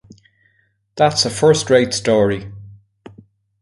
That's a first-rate story.